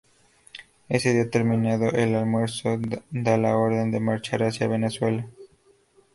Ese día, terminado el almuerzo, da la orden de marchar hacia Venezuela.